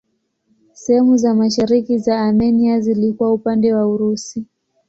Sehemu za mashariki za Armenia zilikuwa upande wa Urusi.